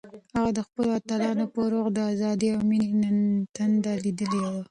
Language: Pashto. هغه د خپلو اتلانو په روح کې د ازادۍ او مینې تنده لیدلې وه.